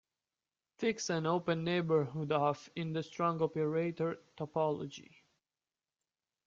Fix an open neighborhood of in the strong operator topology.